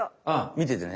見ててね。